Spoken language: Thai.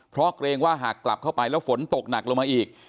เพราะเกรงว่าหากกลับเข้าไปแล้วฝนตกหนักลงมาอีก